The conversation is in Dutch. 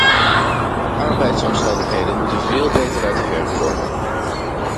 Arbeidsomstandigheden moeten veel beter uit de verf komen.